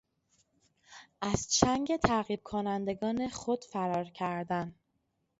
از چنگ تعقیب کنندگان خود فرار کردن